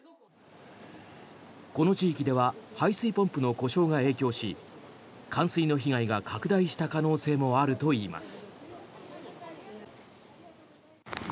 この地域では排水ポンプの故障が影響し冠水の被害が拡大した可能性もあるといいます。